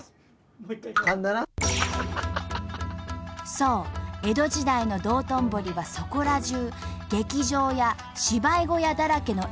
そう江戸時代の道頓堀はそこら中劇場や芝居小屋だらけのエンタメの町。